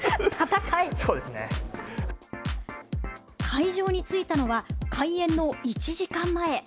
会場に着いたのは開園の１時間前。